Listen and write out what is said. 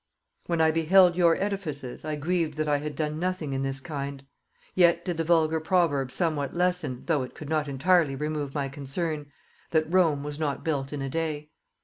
When I beheld your edifices, I grieved that I had done nothing in this kind. Yet did the vulgar proverb somewhat lessen, though it could not entirely remove my concern; that 'Rome was not built in a day.'